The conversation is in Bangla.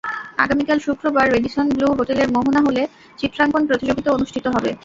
আগামীকাল শুক্রবার রেডিসন ব্লু হোটেলের মোহনা হলে চিত্রাঙ্কন প্রতিযোগিতা অনুষ্ঠিত হবে।